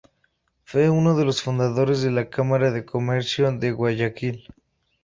Fue uno de los fundadores de la Cámara de Comercio de Guayaquil.